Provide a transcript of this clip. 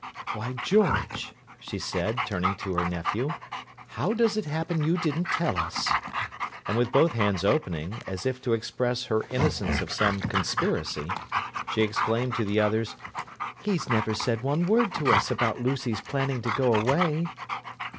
"Why, George!" she said, turning to her nephew. "How does it happen you didn't tell us?" And with both hands opening, as if to express her innocence of some conspiracy, she exclaimed to the others, "He's never said one word to us about Lucy's planning to go away!"